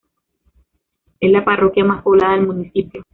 Es la parroquia más poblada del municipio.